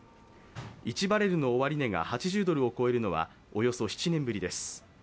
１バレルの終値が８０ドルを超えるのはおよそ７年ぶりです。